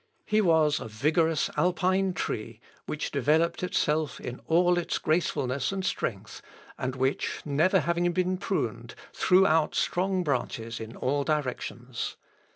He was a vigorous Alpine tree which developed itself in all its gracefulness and strength, and which, never having been pruned, threw out strong branches in all directions.